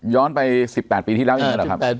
ย้อนไป๑๘ปีที่แล้วยังไงครับครับ